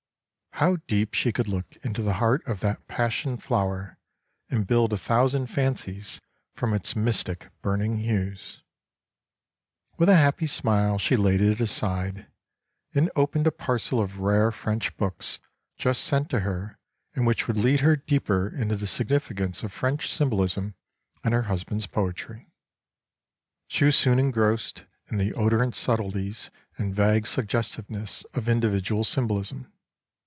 How deep she could look into the heart of that passion flower and build a thousand fancies from its mystic burning hues. With a happy smile she laid it aside, and opened a parcel of rare French books just sent to her and which would lead her deeper into the significance of French symbolism and her husband's poetry. She was soon engrossed in the odorant subtleties and vague suggestiveness of individual symbolism.